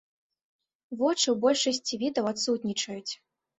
Вочы ў большасці відаў адсутнічаюць.